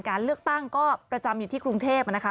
การเลือกตั้งก็ประจำอยู่ที่กรุงเทพนะคะ